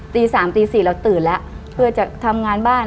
ตี๓ตี๔เราตื่นแล้วเพื่อจะทำงานบ้าน